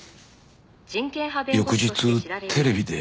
翌日テレビで。